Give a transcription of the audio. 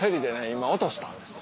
今落としたんです。